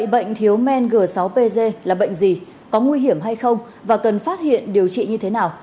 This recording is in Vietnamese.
bệnh thiếu men g sáu pg là bệnh gì có nguy hiểm hay không và cần phát hiện điều trị như thế nào